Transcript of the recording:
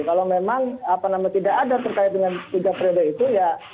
kalau memang apa namanya tidak ada terkait dengan tiga periode itu ya